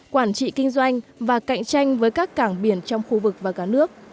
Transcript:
quản trị kinh doanh và cạnh tranh với các cảng biển trong khu vực và cả nước